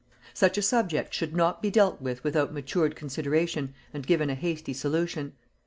Such a subject should not be dealt with without matured consideration and given a hasty solution.